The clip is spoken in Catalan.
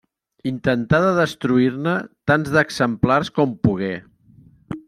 Intentà de destruir-ne tants d'exemplars com pogué.